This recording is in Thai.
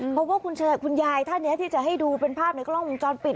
เพราะว่าคุณยายท่านนี้ที่จะให้ดูเป็นภาพในกล้องวงจรปิด